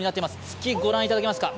月、ご覧いただけますか。